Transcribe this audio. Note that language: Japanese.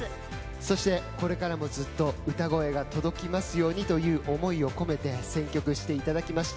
そしてこれからもずっと歌声が届きますようにという思いを込めて選曲していただきました。